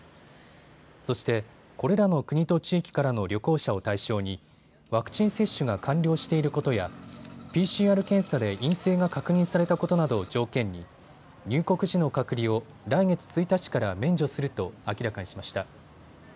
そして、これらの国と地域からの旅行者を対象にワクチン接種が完了していることやＰＣＲ検査で陰性が確認されたことなどを条件に入国時の隔離を来月１日から免除すると明らかにしました。